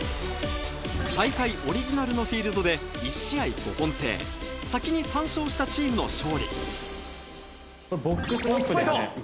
大会オリジナルのフィールドで１試合５本制先に３勝したチームの勝利ボックスファイトですね。